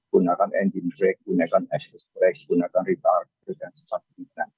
gunakan engine brake gunakan exhaust brake gunakan retarder dan sebagainya